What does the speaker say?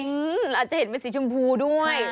อื้มอาจจะเห็นเป็นสีชมพูด้วย